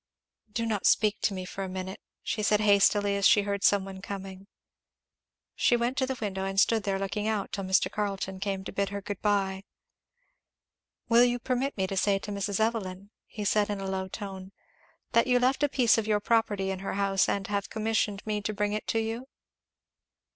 "Do not speak to me for a minute," she said hastily as she heard some one coming. She went to the window and stood there looking out till Mr. Carleton came to bid her good bye. "Will you permit me to say to Mrs. Evelyn," he said in a low tone, "that you left a piece of your property in her house and have commissioned me to bring it you?"